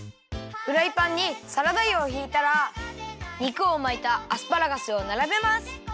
フライパンにサラダ油をひいたら肉をまいたアスパラガスをならべます。